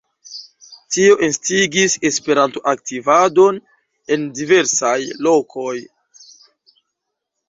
Tio instigis Esperanto-aktivadon en diversaj lokoj.